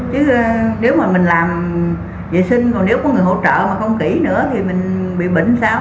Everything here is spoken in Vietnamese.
chứ nếu mà mình làm vệ sinh còn nếu có người hỗ trợ mà không kỹ nữa thì mình bị bệnh xáo